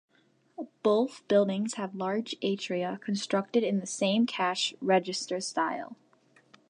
Both buildings have large atria constructed in the same cash register style.